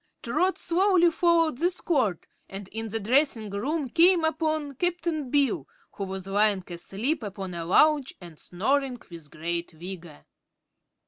Trot slowly followed this cord and in the dressing room came upon Cap'n Bill, who was lying asleep upon a lounge and snoring with great vigor.